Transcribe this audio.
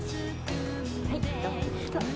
はいどうぞ。